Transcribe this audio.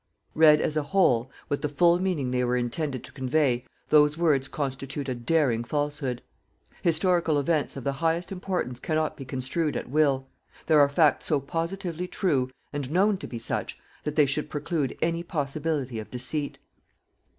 Read as a whole, with the full meaning they were intended to convey, those words constitute a daring falsehood. Historical events of the highest importance cannot be construed at will. There are facts so positively true, and known to be such, that they should preclude any possibility of deceit.